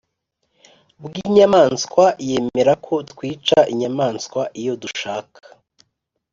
Bw inyamaswa yemera ko twica inyamaswa iyo dushaka